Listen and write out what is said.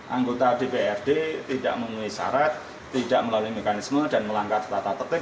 anggota dprd tidak memenuhi syarat tidak melalui mekanisme dan melanggar tata tertib